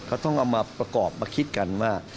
เขาต้องเอามาประกอบมาคิดกันว่า